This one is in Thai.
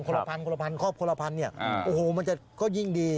คนละพันครอบคนละพันโอ้โฮมันก็จะยิ่งดี